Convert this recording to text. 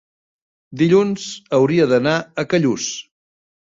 dilluns hauria d'anar a Callús.